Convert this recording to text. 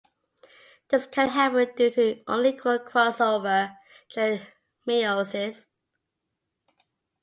This can happen due to unequal crossover during meiosis.